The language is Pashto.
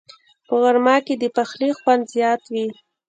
په غرمه کې د پخلي خوند زیات وي